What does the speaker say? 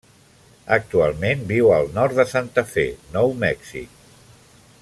Actualment viu al Nord de Santa Fe, Nou Mèxic.